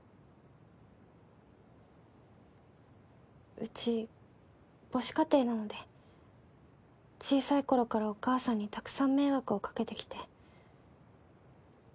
うち母子家庭なので小さい頃からお母さんにたくさん迷惑をかけてきて。